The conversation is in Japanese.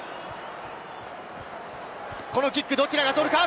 このキック、どちらが取るか？